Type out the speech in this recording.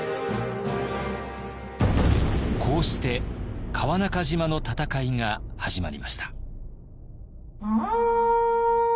こうして川中島の戦いが始まりました。